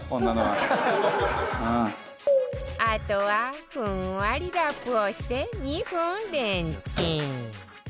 あとはふんわりラップをして２分レンチン